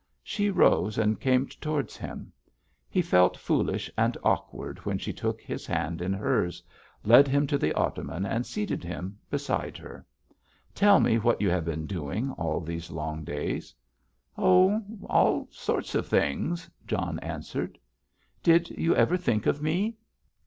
She rose and came towards him. He felt foolish and awkward when she took his hand in hers, led him to the ottoman and seated him beside her. "Tell me what you have been doing all these long days." "Oh, all sorts of things," John answered. "Did you ever think of me?"